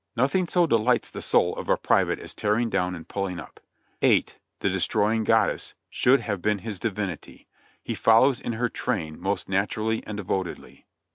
Nothing so delights the soul of a private as tearing down and pulling up. "Ate," the destroying goddess, should have been his divinity. He follows in her train most naturally and devotedly.